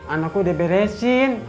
anakku udah diberesin